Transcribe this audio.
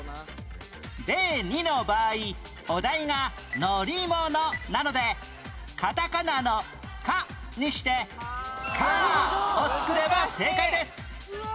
例２の場合お題が「乗り物」なのでカタカナの「カ」にして「カー」を作れば正解です